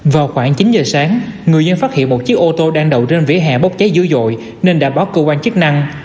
vào khoảng chín giờ sáng người dân phát hiện một chiếc ô tô đang đậu trên vỉa hè bốc cháy dữ dội nên đã báo cơ quan chức năng